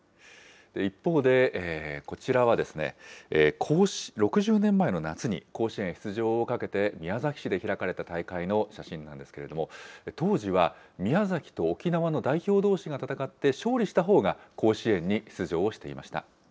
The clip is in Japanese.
一方で、こちらは６０年前の夏に甲子園出場をかけて、宮崎市で開かれた大会の写真なんですけれども、当時は宮崎と沖縄の代表どうしが戦って勝利したほうが甲子園に出場をしていました。